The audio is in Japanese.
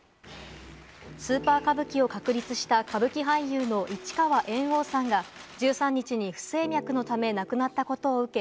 『スーパー歌舞伎』を確立した、歌舞伎俳優の市川猿翁さんが１３日に不整脈のため亡くなったことを受け、